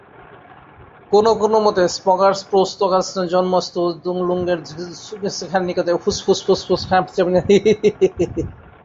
কোন কোন মতে ম্গার-স্রোং-র্ত্সানের জন্ম স্তোদ-লুঙ্গের নিকটে ল্দিং-খার নিকটে।